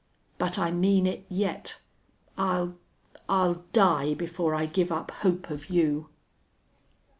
"But I mean it yet! I'll I'll die before I give up hope of you!"